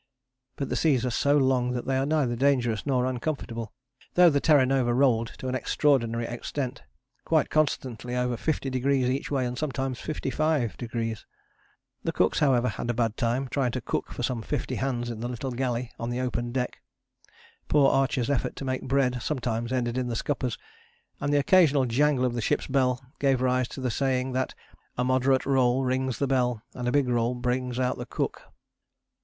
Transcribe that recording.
But the seas are so long that they are neither dangerous nor uncomfortable though the Terra Nova rolled to an extraordinary extent, quite constantly over 50° each way, and sometimes 55°. The cooks, however, had a bad time trying to cook for some fifty hands in the little galley on the open deck. Poor Archer's efforts to make bread sometimes ended in the scuppers, and the occasional jangle of the ship's bell gave rise to the saying that "a moderate roll rings the bell, and a big roll brings out the cook."